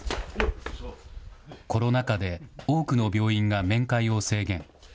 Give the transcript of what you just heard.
コロナ禍で多くの病院が面会を制限。